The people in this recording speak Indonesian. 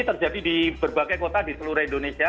terjadi di berbagai kota di seluruh indonesia